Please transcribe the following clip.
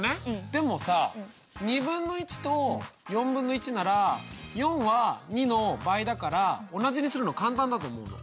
でもさとなら４は２の倍だから同じにするの簡単だと思うの。